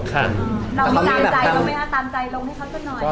พี่โป๊เรามีตามใจลงให้เขาเท่านั้นไหม